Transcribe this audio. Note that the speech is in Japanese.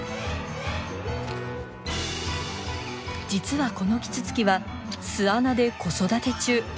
実はこのキツツキは巣穴で子育て中。